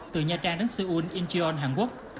từ nha trang đến seoul incheon hàn quốc